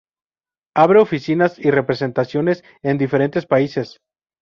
Abre oficinas y representaciones en diferentes países.